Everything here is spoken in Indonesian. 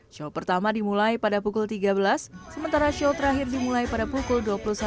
show pertama dimulai pada pukul tiga belas sementara show terakhir dimulai pada pukul dua puluh satu